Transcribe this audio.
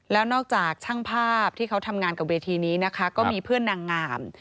แล้วนอกจากช่างภาพที่เขาทำงานกับเวทีนี้นะคะก็มีเพื่อนนางงาม